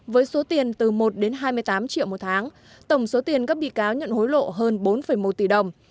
với số tiền từ một đến hai mươi tám triệu một tháng tổng số tiền các bị cáo nhận hối lộ hơn bốn một tỷ đồng